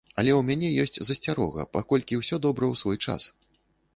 Але ў мяне ёсць засцярога, паколькі ўсё добра ў свой час.